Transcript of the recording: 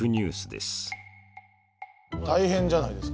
大変じゃないですか。